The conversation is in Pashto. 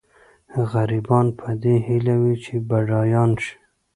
غریبان په دې هیله وي چې بډایان شي.